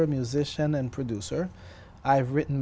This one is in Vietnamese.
giới thiệu về việt nam